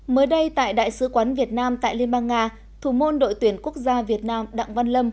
mới đây tại đại sứ quán việt nam tại liên bang nga thủ môn đội tuyển quốc gia việt nam đặng văn lâm